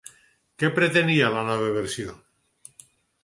Què pretenia la nova versió?